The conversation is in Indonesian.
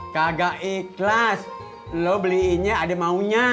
kagak ikhlas lo beliinnya adik maunya